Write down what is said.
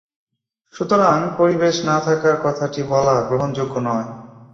সুতরাং পরিবেশ না থাকার কথাটি বলা গ্রহণযোগ্য নয়।